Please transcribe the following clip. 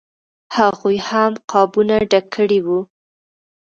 هغوی هم قابونه ډک کړي وو.